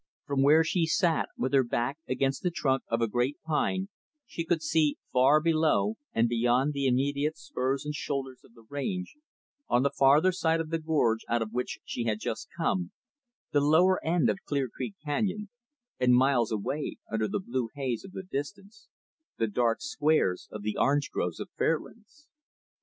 From where she sat with her back against the trunk of a great pine, she could see far below, and beyond the immediate spurs and shoulders of the range, on the farther side of the gorge out of which she had just come the lower end of Clear Creek canyon, and, miles away, under the blue haze of the distance, the dark squares of the orange groves of Fairlands.